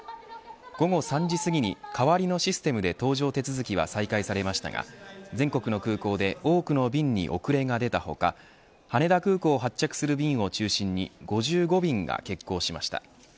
午後３時すぎに、代わりのシステムで搭乗手続きは再開されましたが全国の空港で多くの便に遅れが出た他羽田空港を発着する便を中心に５５便が欠航しました。